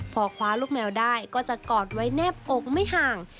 พอคว้าลูกแมวได้ก็จะกอดไว้แนบอกไม่ห่าง